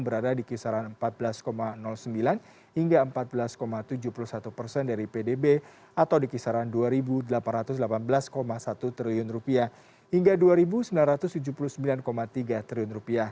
berada di kisaran rp empat belas sembilan hingga empat belas tujuh puluh satu persen dari pdb atau di kisaran rp dua delapan ratus delapan belas satu triliun hingga rp dua sembilan ratus tujuh puluh sembilan tiga triliun